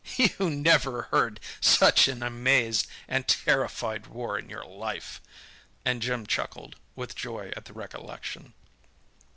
You never heard such an amazed and terrified roar in your life!" and Jim chuckled with joy at the recollection.